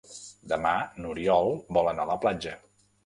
Demà n'Oriol vol anar a la platja.